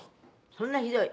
「そんなひどい？」